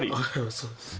そうです。